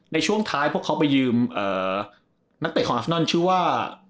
ในช่วงท้ายพวกเขาไปยืมนักเตะของอาสนอนชื่อว่า